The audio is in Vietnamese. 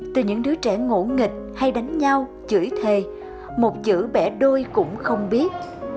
từ những đứa trẻ ngộ nghịch hay đánh nhau chửi thề một chữ bẻ đôi cũng không biết